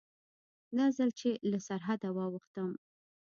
دا ځل چې له سرحده واوښتم.